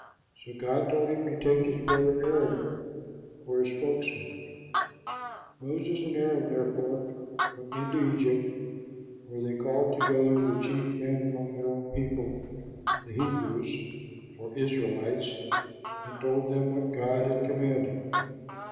So God told him to take his brother Aaron for a spokesman. Moses and Aaron, therefore, went into Egypt, where they called together the chief men among their own people, the Hebrews, or Israelites, and told them what God had commanded.